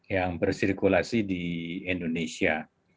yang bersirkulasi di indonesia